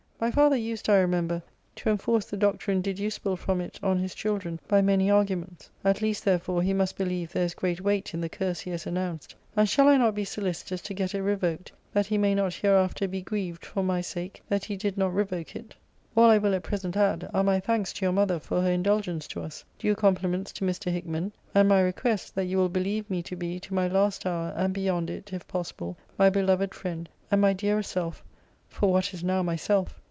My father used, I remember, to enforce the doctrine deducible from it, on his children, by many arguments. At least, therefore, he must believe there is great weight in the curse he has announced; and shall I not be solicitous to get it revoked, that he may not hereafter be grieved, for my sake, that he did not revoke it? All I will at present add, are my thanks to your mother for her indulgence to us; due compliments to Mr. Hickman; and my request, that you will believe me to be, to my last hour, and beyond it, if possible, my beloved friend, and my dearer self (for what is now myself!)